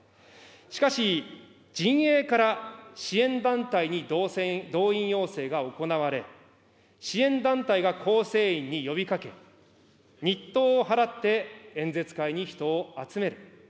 しかし、陣営から支援団体に動員要請が行われ、支援団体が構成員に呼びかけ、日当を払って演説会に人を集める。